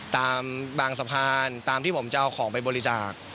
ตามบางสะพานตามที่ผมจะเอาของไปบริจาค